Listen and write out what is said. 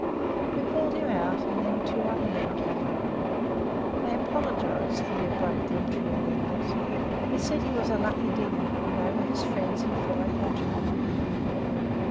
We pulled him out, and then two other men came up. They apologised for the abrupt entry of their mate. They said he was a lucky digger, and they were his friends and fellow countrymen.